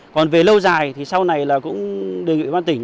còn về lâu dài thì sau này là cũng đề nghị ủy ban tỉnh